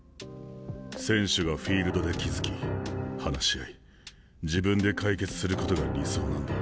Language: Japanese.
選手がフィールドで気付き話し合い自分で解決することが理想なんだ。